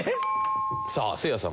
さあせいやさん。